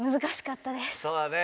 そうだね。